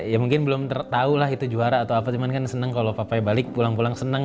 ya mungkin belum tahu lah itu juara atau apa cuman kan seneng kalau papanya balik pulang pulang senang